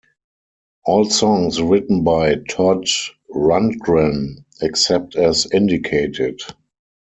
All songs written by Todd Rundgren except as indicated.